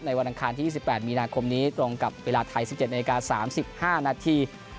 วันอังคารที่๒๘มีนาคมนี้ตรงกับเวลาไทย๑๗นาที๓๕นาที